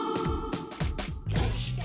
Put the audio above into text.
「どうして？